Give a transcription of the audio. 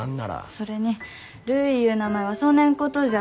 それに「るい」いう名前はそねんことじゃ。